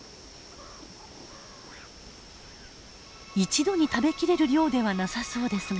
一度に食べきれる量ではなさそうですが。